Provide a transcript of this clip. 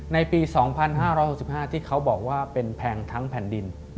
ในปี๒๕๖๕ที่เขาบอกว่าเป็นแพงทั้งแผ่นดิน